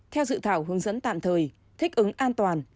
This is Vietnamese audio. theo dự thảo hướng dẫn tạm thời thích ứng an toàn